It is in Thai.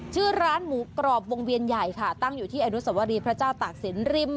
ชื่อร้านหมูกรอบวงเวียนใหญ่ค่ะตั้งอยู่ที่อนุสวรีพระเจ้าตากศิลปริม